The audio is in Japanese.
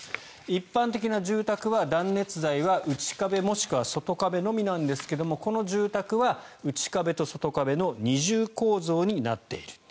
一般的な住宅は断熱材は内壁もしくは外壁のみなんですがこの住宅は内壁と外壁の二重構造になっている。